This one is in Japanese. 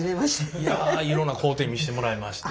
いやいろんな工程見せてもらいまして。